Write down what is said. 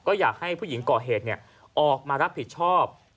ก็อยากให้ผู้หญิงก่อเหตุออกมารับผิดชอบ